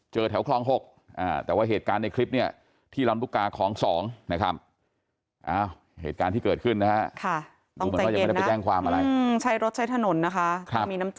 เจอแถวคล๖แต่ว่าเหตุการณ์ในคลิป